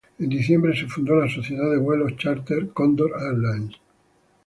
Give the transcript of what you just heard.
En diciembre se fundó la sociedad de vuelos chárter Cóndor Airlines.